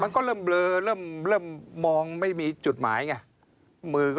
มันก็เริ่มเบลอเริ่มมองไม่มีจุดหมายไง